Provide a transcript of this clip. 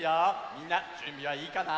みんなじゅんびはいいかな？